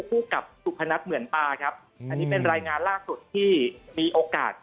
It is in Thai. คู่กับสุพนัทเหมือนตาครับอันนี้เป็นรายงานล่าสุดที่มีโอกาส